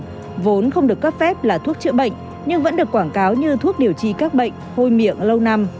nước xúc miệng vốn không được cấp phép là thuốc chữa bệnh nhưng vẫn được quảng cáo như thuốc điều trị các bệnh hôi miệng lâu năm